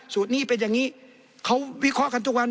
สูตรนี้เป็นอย่างนี้เขาวิเคราะห์กันทุกวัน